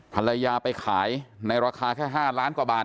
ภรรยาไปขายในราคาแค่๕ล้านกว่าบาท